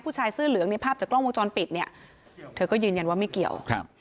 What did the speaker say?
ผู้ชายเสื้อเหลืองในภาพจากกล้องวงจรปิดเนี่ยเธอก็ยืนยันว่าไม่เกี่ยวครับ